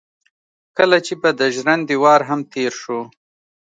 کله چې به د ژرندې وار هم تېر شو.